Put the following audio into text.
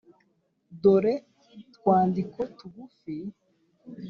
dore twandiko tugufi